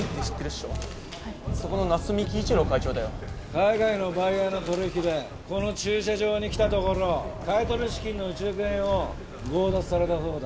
海外のバイヤーの取引でこの駐車場に来たところ買い取り資金の１億円を強奪されたそうだ。